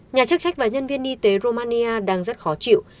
nhà chức trách và nhân viên y tế romania đang rất khó chịu